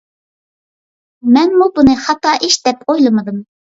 مەنمۇ بۇنى خاتا ئىش دەپ ئويلىمىدىم.